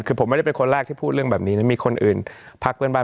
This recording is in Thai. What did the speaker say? คือผมไม่ได้เป็นคนแรกที่พูดเรื่องแบบนี้นะมีคนอื่นพักเพื่อนบ้าน